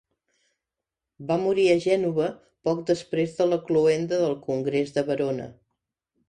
Va morir a Gènova poc després de la cloenda del Congrés de Verona.